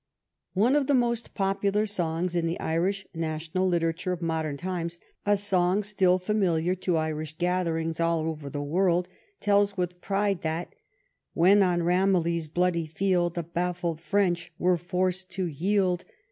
One of the most popular songs in the Irish national literature of modern times, a song still familiar to Irish gatherings all over the world, tells with pride that— "When on Ramillies' bloody field The baffled French were forc'd to yield.